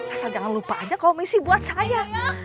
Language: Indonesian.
asal jangan lupa aja komisi buat saya